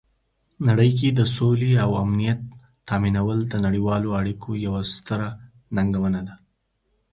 نړۍ کې د سولې او امنیت تامینول د نړیوالو اړیکو یوه ستره ننګونه ده.